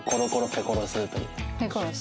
ペコロス。